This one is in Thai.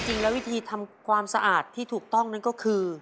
วิธีทำความสะอาดที่ถูกต้องนั่นก็คือ